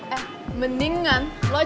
eh mendingan lo cek